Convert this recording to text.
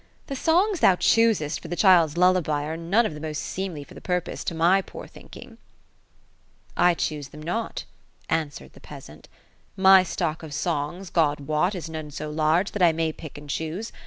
The songs thoii choosest for tlie child's lullab}'. are none of the most seemly for the purpose, to my poor thinking." ''' I choose them not ;" answered the peasant ;*^ my stock of songs, God woi. IS none so large, that I may pick and choose.